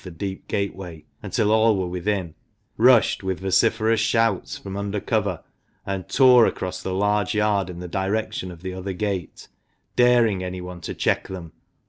the deep gateway until all were within, rushed, with vociferous shouts, from under cover, and tore across the large yard in the direction of the other gate, daring anyone to check them.